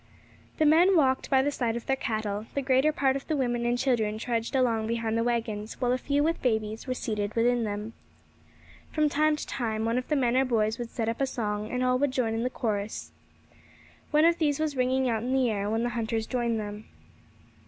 The men walked by the side of their cattle; the greater part of the women and children trudged along behind the waggons, while a few with babies were seated within them. From time to time one of the men or boys would set up a song, and all would join in the chorus. One of these was ringing out in the air when the hunters joined them.